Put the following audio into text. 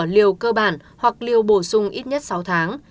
liều cơ bản hoặc liều bổ sung ít nhất sáu tháng